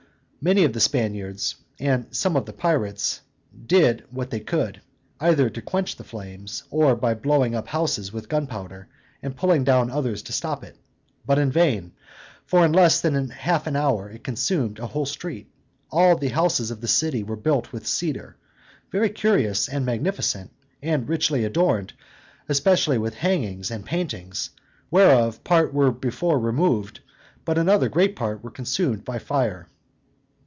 Many of the Spaniards, and some of the pirates, did what they could, either to quench the flames or by blowing up houses with gunpowder, and pulling down others to stop it, but in vain: for in less than half an hour it consumed a whole street. All the houses of the city were built with cedar, very curious and magnificent, and richly adorned, especially with hangings and paintings, whereof part were before removed, but another great part were consumed by fire.